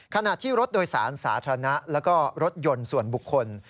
ขณะที่รถโดยสารสาธารณะแล้วก็รถยนต์ส่วนบุคคล